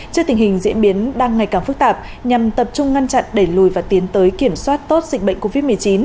trước tình hình diễn biến đang ngày càng phức tạp nhằm tập trung ngăn chặn đẩy lùi và tiến tới kiểm soát tốt dịch bệnh covid một mươi chín